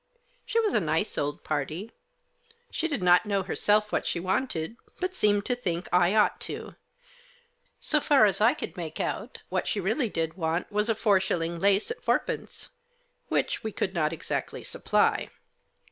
She was a nice old party. She did not know herself what she wanted, but seemed to think I ought to. So far as I could make out, what she really did want was a four shilling lace at fourpence— which we could not exactly supply.